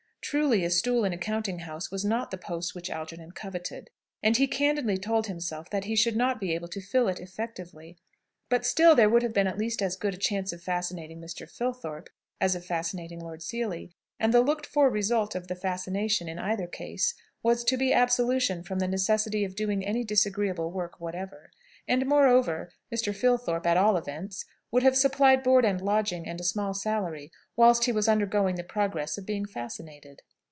Truly a stool in a counting house was not the post which Algernon coveted. And he candidly told himself that he should not be able to fill it effectively. But, still, there would have been at least as good a chance of fascinating Mr. Filthorpe as of fascinating Lord Seely, and the looked for result of the fascination in either case was to be absolution from the necessity of doing any disagreeable work whatever. And, moreover, Mr. Filthorpe, at all events, would have supplied board and lodging and a small salary, whilst he was undergoing the progress of being fascinated.